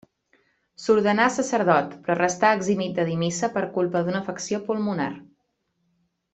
S'ordenà sacerdot, però restà eximit de dir missa per culpa d'una afecció pulmonar.